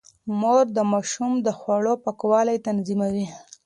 مور د ماشوم د خوړو پاکوالی تضمينوي.